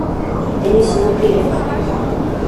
Tennis no kwiruka